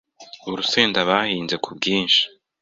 urusenda bahinze ku bwinshi